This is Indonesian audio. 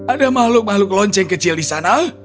ada makhluk makhluk lonceng kecil di sana